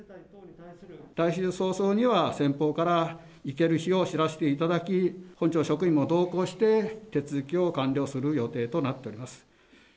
来週早々には、先方から行ける日を知らせていただき、本町職員も同行して、手続きを完了する予定となっております。